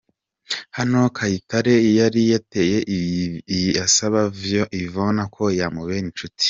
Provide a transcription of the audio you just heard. Hano Kayitare yari yateye ivi asaba Yvonne ko yamubera inshuti.